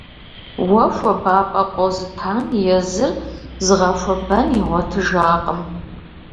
Уэ хуабапӀэ къозытам езыр зыгъэхуэбэн игъуэтыжакъым.